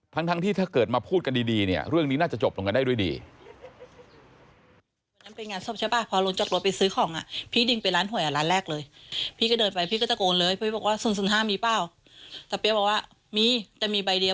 ทั้งที่ถ้าเกิดมาพูดกันดีเนี่ยเรื่องนี้น่าจะจบลงกันได้ด้วยดี